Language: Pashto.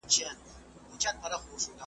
پکي پټ دي داستانونه .